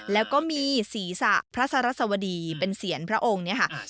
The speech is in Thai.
แล้วก็มีศีรษะพระสรัสวดีเป็นเสียรพระองค์